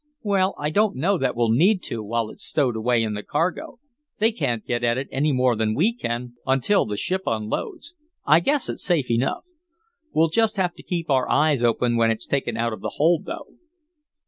"Well, I don't know that we'll need to while it's stowed away in the cargo. They can't get at it any more than we can, until the ship unloads. I guess it's safe enough. We'll just have to keep our eyes open when it's taken out of the hold, though."